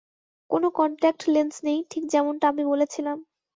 কোন contact lens নেই, ঠিক যেমনটা আমি বলেছিলাম।